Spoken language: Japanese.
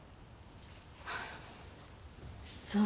そう。